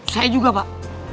saya juga pak